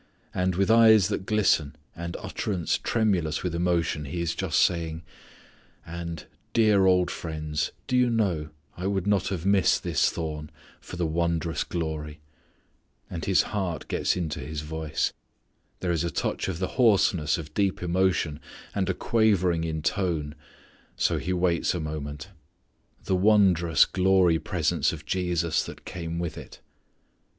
And with eyes that glisten, and utterance tremulous with emotion he is just saying: "And dear old friends, do you know, I would not have missed this thorn, for the wondrous glory" and his heart gets into his voice, there is a touch of the hoarseness of deep emotion, and a quavering of tone, so he waits a moment "the wondrous glory presence of Jesus that came with it."